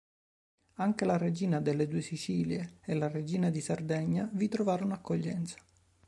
Anche la regina delle due Sicilie e la regina di Sardegna vi trovarono accoglienza.